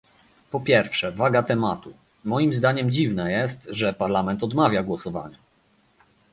po pierwsze, waga tematu - moim zdaniem dziwne jest, że Parlament odmawia głosowania